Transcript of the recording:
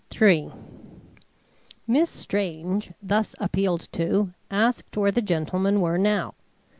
III Miss Strange, thus appealed to, asked where the gentlemen were now.